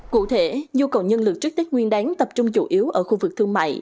cụ thể nhu cầu nhân lực trước tết nguyên đáng tập trung chủ yếu ở khu vực thương mại